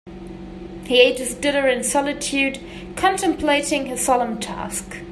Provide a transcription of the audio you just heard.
He ate his dinner in solitude, contemplating his solemn task.